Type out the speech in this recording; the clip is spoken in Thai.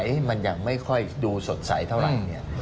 ให้มันยังไม่ค่อยดูสดใสเท่าไหร่